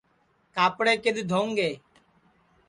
کاپڑے کِدؔ دھوں گے